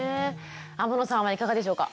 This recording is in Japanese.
天野さんはいかがでしょうか？